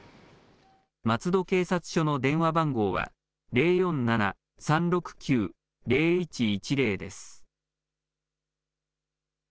松戸警察署の電話番号は、０４７ー３６９ー０１１０です。